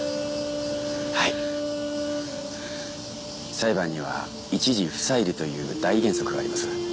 裁判には一事不再理という大原則があります。